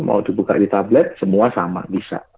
mau dibuka di tablet semua sama bisa